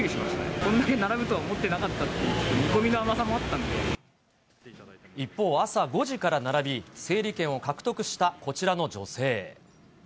こんだけ並ぶとは思ってなかったっていう、見込みの甘さもあった一方、朝５時から並び、整理券を獲得したこちらの女性。